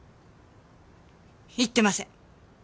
行ってません。